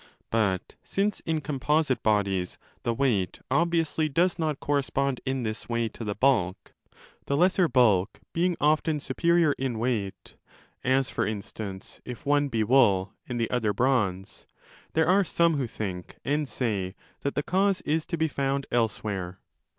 But since in composite bodies the weight obviously does not correspond in this way to the bulk, the lesser bulk being often superior in weight (as, for instance, if one be wool 5 and the other bronze), there are some who think and say that the cause is to be found elsewhere.